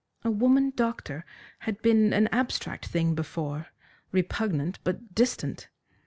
A woman doctor had been an abstract thing before, repugnant but distant.